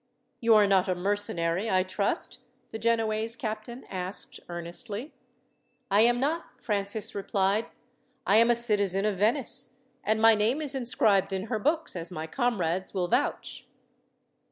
"You are not a mercenary, I trust?" the Genoese captain asked earnestly. "I am not," Francis replied. "I am a citizen of Venice, and my name is inscribed in her books, as my comrades will vouch."